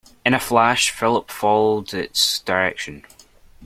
In a flash Philip followed its direction.